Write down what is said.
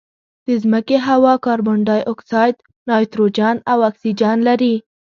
د مځکې هوا کاربن ډای اکسایډ، نایتروجن او اکسیجن لري.